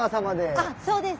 あそうです。